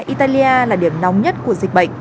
italia là điểm nóng nhất của dịch bệnh